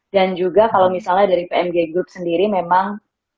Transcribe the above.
dan juga kalau misalnya dari pmg group sendiri memang